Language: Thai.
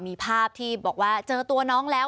มีภาพที่บอกว่าเจอตัวน้องแล้ว